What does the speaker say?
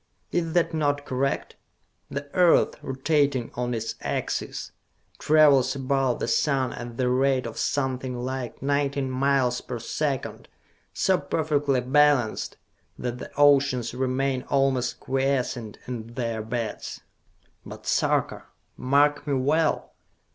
Is that not correct! The Earth, rotating on its axis, travels about the sun at the rate of something like nineteen miles per second, so perfectly balanced that the oceans remain almost quiescent in their beds! But, Sarka, mark me well!